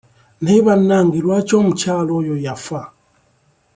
Naye bannange lwaki omukyala oyo yafa?